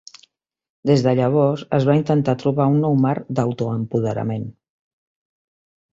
Des de llavors, es va intentar trobar un nou marc d'autoempoderament.